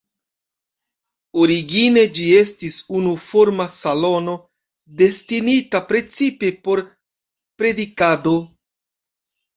Origine ĝi estis unuforma salono, destinita precipe por predikado.